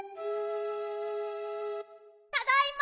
ただいま！